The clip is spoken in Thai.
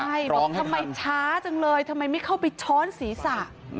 ใช่บอกทำไมช้าจังเลยทำไมไม่เข้าไปช้อนศีรษะ